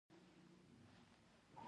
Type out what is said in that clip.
اوبه له اسمانه د دعا ځواب دی.